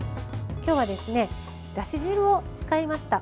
今日はだし汁を使いました。